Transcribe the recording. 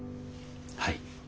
はい。